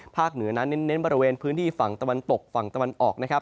เหนือนั้นเน้นบริเวณพื้นที่ฝั่งตะวันตกฝั่งตะวันออกนะครับ